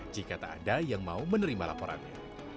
jika tak ada yang mau menerima laporannya